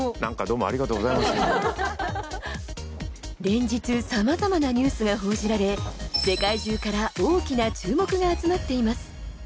連日、さまざまなニュースが報じられ、世界中から大きな注目が集まっています。